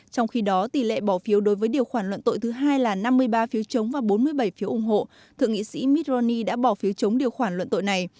trong khi đó tỷ lệ bỏ phiếu đối với điều khoản luận tội thứ hai là năm mươi ba phiếu chống và bốn mươi bảy phiếu ủng hộ thượng nghị sĩ mitt roni đã bỏ phiếu chống điều khoản luận tội này